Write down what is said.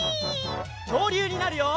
きょうりゅうになるよ！